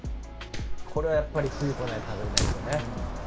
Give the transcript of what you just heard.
これはやっぱり冬来ないと食べれないですよね。